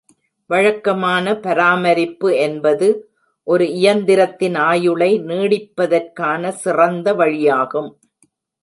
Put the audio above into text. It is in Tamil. வழக்கமான பராமரிப்பு என்பது ஒரு இயந்திரத்தின் ஆயுளை நீடிப்பதற்கான சிறந்த வழியாகும்.